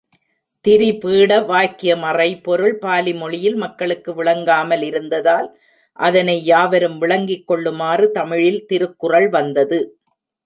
திரிபீட வாக்கிய மறைபொருள் பாலிமொழியில் மக்களுக்கு விளங்காமல் இருந்ததால் அதனை யாவரும் விளங்கிக் கொள்ளுமாறு தமிழில் திருக்குறள் வந்தது.